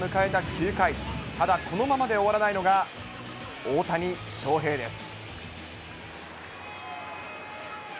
９回、ただこのままで終わらないのが、大谷翔平です。